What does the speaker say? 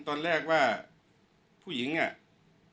ช่างแอร์เนี้ยคือล้างหกเดือนครั้งยังไม่แอร์